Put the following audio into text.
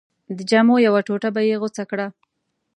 د جامو یوه ټوټه به یې غوڅه کړه.